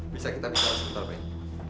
bisa kita keluar sebentar pak